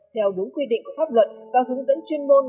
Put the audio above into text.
theo đúng quy định của pháp luật và hướng dẫn chuyên môn